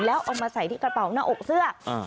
แล้วเอามาใส่ที่กระเป๋าหน้าอกเสื้อ